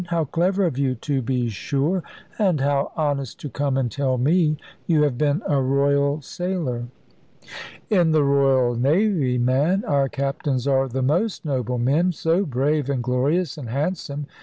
How clever of you, to be sure! And how honest to come and tell me! You have been a royal sailor?" "In the Royal Navy, ma'am! Our captains are the most noble men, so brave, and glorious, and handsome!